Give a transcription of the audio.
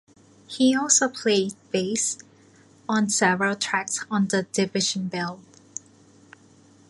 He also played bass on several tracks on "The Division Bell".